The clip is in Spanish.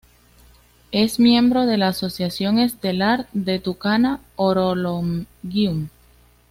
Es miembro de la Asociación estelar de Tucana-Horologium.